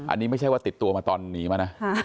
อันนี้ไม่ใช่ว่าติดตัวมาตอนหนีมานะ